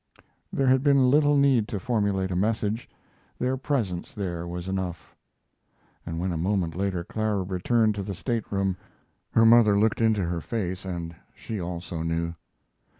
There had been little need to formulate a message their presence there was enough and when a moment later Clara returned to the stateroom her mother looked into her face and she also knew.